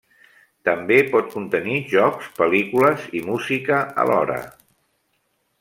També pot contenir jocs, pel·lícules i música alhora.